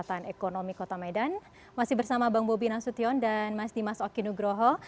kesehatan ekonomi kota medan masih bersama bang bobi nasution dan mas dimas okinugroho